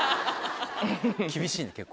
厳しいね結構。